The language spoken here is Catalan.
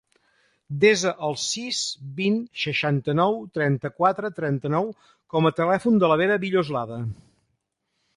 Desa el sis, vint, seixanta-nou, trenta-quatre, trenta-nou com a telèfon de la Vera Villoslada.